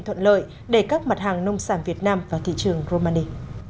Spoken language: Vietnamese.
thuận lợi để các mặt hàng nông sản việt nam vào thị trường romani